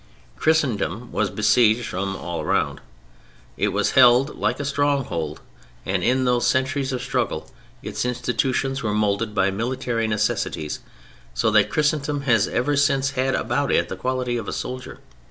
Christendom was besieged from all around. It was held like a stronghold, and in those centuries of struggle its institutions were molded by military necessities: so that Christendom has ever since had about it the quality of a soldier.